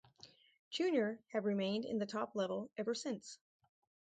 Junior have remained in the top level ever since.